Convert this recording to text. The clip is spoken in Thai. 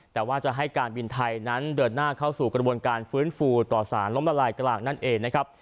แต่ว่าจะให้การบินไทยนั้นเดินหน้าเข้าสู่กระบวนการฟื้นฟูต่อสารล้มละลายกลางนั่นเองนะครับ